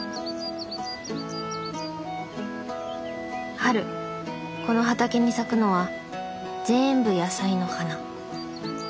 春この畑に咲くのは全部野菜の花。